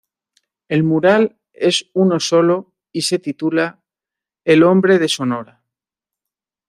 El mural es uno solo y se titula "El hombre de Sonora".